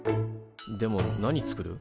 でも何作る？